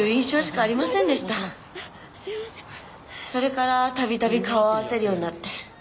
それからたびたび顔を合わせるようになって。